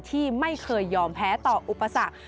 ที่ไม่เคยยอมแพ้ต่ออุปสรรค